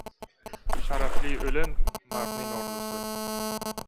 • Sharafli o‘lim — mardning orzusi.